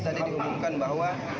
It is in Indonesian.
tadi diumumkan bahwa